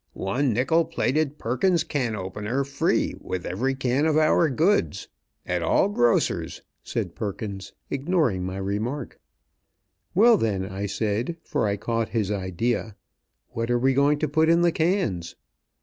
"One nickel plated Perkins Can opener free with every can of our goods. At all grocers," said Perkins, ignoring my remark. "Well, then," I said, for I caught his idea, "what are we going to put in the cans?"